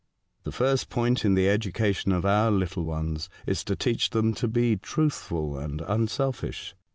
The first point in the education of our little ones is to teach them to be truthful and unselfish.